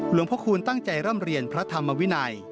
หลวงพระคูณตั้งใจร่ำเรียนพระธรรมวินัย